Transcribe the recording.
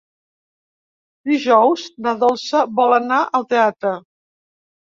Dijous na Dolça vol anar al teatre.